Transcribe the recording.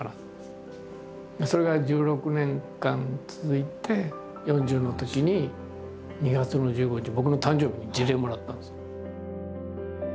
それが１６年間続いて４０のときに２月の１５日僕の誕生日に辞令をもらったんですよ。